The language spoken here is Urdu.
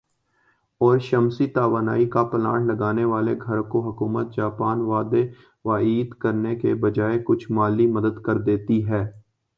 اور شمسی توانائی کا پلانٹ لگا نے والے گھر کو حکومت جاپان وعدے وعید کرنے کے بجائے کچھ مالی مدد دیتی ہے